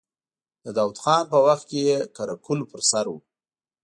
د داود خان په وخت کې يې قره قل پر سر و.